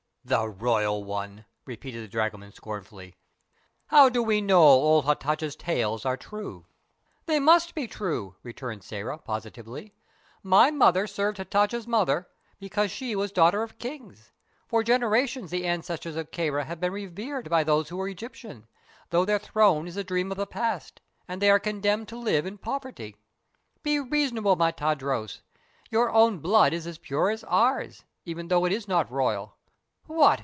"The royal one!" repeated the dragoman scornfully. "How do we know old Hatatcha's tales are true?" "They must be true," returned Sĕra, positively. "My mother served Hatatcha's mother, because she was the daughter of kings. For generations the ancestors of Kāra have been revered by those who were Egyptians, although their throne is a dream of the past, and they are condemned to live in poverty. Be reasonable, my Tadros! Your own blood is as pure as ours, even though it is not royal. What!